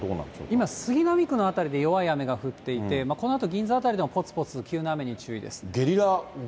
今、杉並区の辺りで弱い雨が降っていて、このあと銀座辺りでも、ぽつぽつ急な雨に注意です。